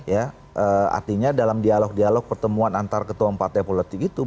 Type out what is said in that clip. artinya dalam dialog dialog pertemuan antar ketua partai politik itu